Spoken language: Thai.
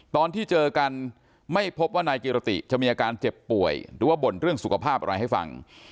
ตอนที่เจอกันไม่พบว่านายกิรติจะมีอาการเจ็บป่วยหรือว่าบ่นเรื่องสุขภาพอะไรให้ฟัง